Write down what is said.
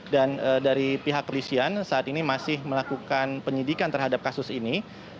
dan dari pihak kepolisian saat ini masih melakukan penyidikan terhadap kasus ini